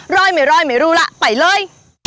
รอยไม่รอยไม่รู้ล่ะไปเลย